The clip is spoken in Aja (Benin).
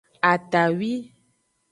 Atawi.